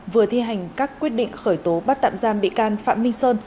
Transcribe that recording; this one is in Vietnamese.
vừa thi hành các quyết định khởi tố bắt tạm giam bị can phạm minh sơn